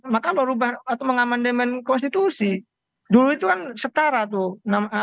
maka merubah atau mengamandemen konstitusi dulu itu kan setara tuh